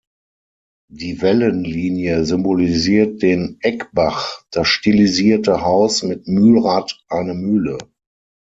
Die Wellenlinie symbolisiert den Eckbach, das stilisierte Haus mit Mühlrad eine Mühle.